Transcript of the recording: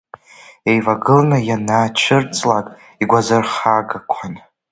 Еивагыланы ианаацәырҵлак, игәазырҳагақәан.